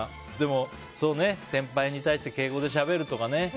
先輩に対して敬語でしゃべるとかね。